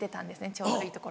ちょうどいい所？